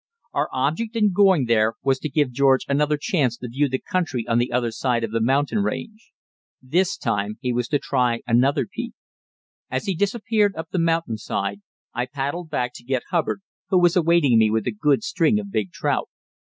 Our object in going there was to give George another chance to view the country on the other side of the mountain range. This time he was to try another peak. As he disappeared up the mountain side, I paddled back to get Hubbard, who was awaiting me with a good string of big trout.